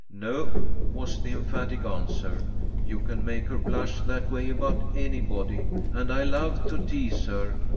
"No," was the emphatic answer. "You can make her blush that way about anybody, and I love to tease her.